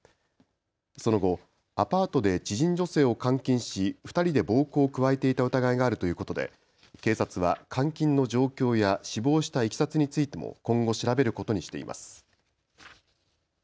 その後、アパートで知人女性を監禁し２人で暴行を加えていた疑いがあるということで警察は監禁の状況や死亡したいきさつについても今後調べることにしています。